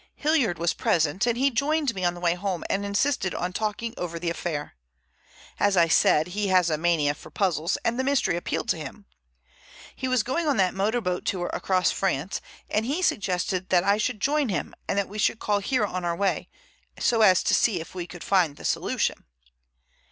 Hilliard was present, and he joined me on the way home and insisted on talking over the affair. As I said, he has a mania for puzzles, and the mystery appealed to him. He was going on that motorboat tour across France, and he suggested that I should join him and that we should call here on our way, so as to see if we could find the solution.